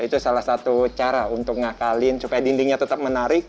itu salah satu cara untuk ngakalin supaya dindingnya tetap menarik